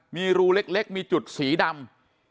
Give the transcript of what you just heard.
มีรูเล็กมีจุดสีดำ